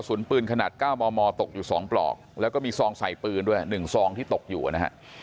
ปืนขนาด๙มมตกอยู่๒ปลอกแล้วก็มีซองใส่ปืนด้วย๑ซองที่ตกอยู่นะฮะ